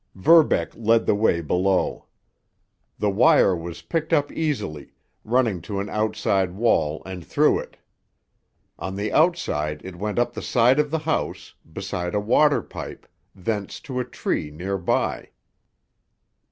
Verbeck led the way below. The wire was picked up easily, running to an outside wall and through it. On the outside it went up the side of the house, beside a water pipe, thence to a tree near by.